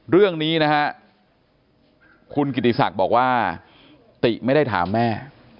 เรื่องนี้นะฮะคุณกิติศักดิ์บอกว่าติไม่ได้ถามแม่